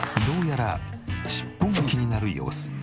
どうやら尻尾が気になる様子。